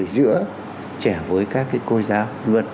giữa trẻ với các cô giáo